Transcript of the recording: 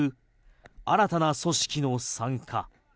新たな組織の参加。